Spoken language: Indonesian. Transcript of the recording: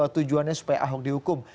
tujuannya supaya ahok dihukum